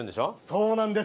そうなんです！